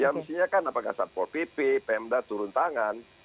ya misalnya kan apakah support pp pmdat turun tangan